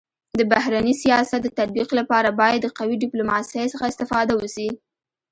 د بهرني سیاست د تطبيق لپاره باید د قوي ډيپلوماسی څخه استفاده وسي.